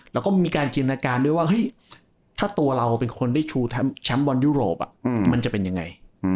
แล้วก็มีการจินตนาการด้วยว่าถ้าตัวเราเป็นคนได้ชูแชมป์บอลยุโรปมันจะเป็นยังไง